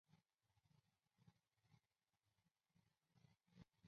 龙山街道是中国黑龙江省鹤岗市工农区下辖的一个街道。